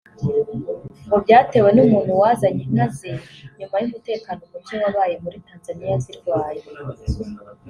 ngo byatewe n’umuntu wazanye inka ze nyuma y’umutekano mucye wabaye muri Tanzaniya zirwaye